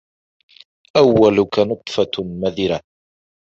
أَوَّلُك نُطْفَةٌ مَذِرَةٌ